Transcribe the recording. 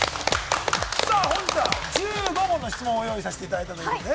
本日は１５問の質問を用意させていただいてるんですね。